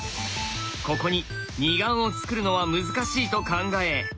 ここに二眼をつくるのは難しいと考え